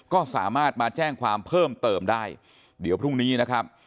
ก็สามารถมาแจ้งความเพิ่มเติมได้เดี๋ยวพรุ่งนี้นะครับ